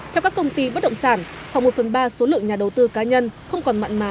theo các công ty bất động sản khoảng một phần ba số lượng nhà đầu tư cá nhân không còn mặn mà